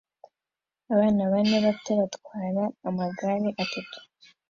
Abana bane bato batwara amagare atatu